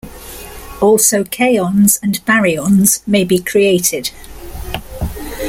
Also kaons and baryons may be created.